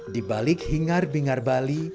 di balik hingar bingar bali